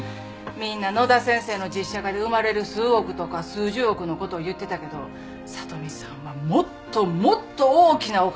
みんな野田先生の実写化で生まれる数億とか数十億のことを言ってたけど聡美さんはもっともっと大きなお金を見てたんやわ。